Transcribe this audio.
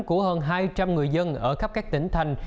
của hơn hai trăm linh người dân ở khắp các tỉnh thành